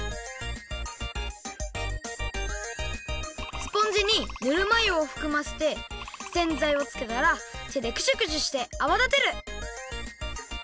スポンジにぬるまゆをふくませてせんざいをつけたら手でクシュクシュしてあわだてる。